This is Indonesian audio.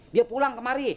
dia pulang kemari